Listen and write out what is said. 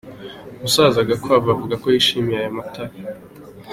Umusaza Gakwavu avuga ko yishimiye aya matara.